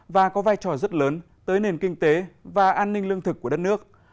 và có vai trò rất lớn tới nền kinh tế và an ninh lương thực của đất nước